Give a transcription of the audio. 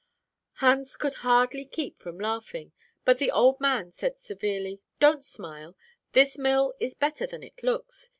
"Hans could hardly keep from laughing; but the old man said severely, 'Don't smile. This mill is better than it looks.